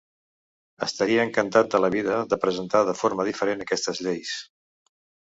Estaria encantat de la vida de presentar de forma diferent aquestes lleis.